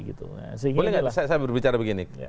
boleh nggak saya berbicara begini